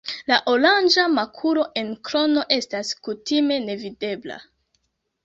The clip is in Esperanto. La oranĝa makulo en krono estas kutime nevidebla.